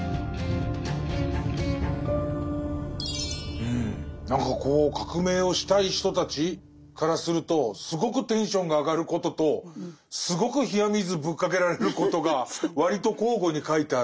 うん何かこう革命をしたい人たちからするとすごくテンションが上がることとすごく冷や水ぶっかけられることが割と交互に書いてある。